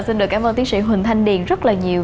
xin được cảm ơn tiến sĩ huỳnh thanh điền rất là nhiều